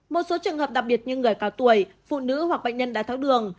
một số trường hợp đặc biệt như người cao tuổi phụ nữ hoặc bệnh nhân đá tháo đường